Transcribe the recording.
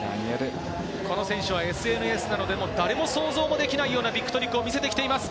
この選手はＳＮＳなどでも誰も想像もできないよなビッグトリックを見せてきています。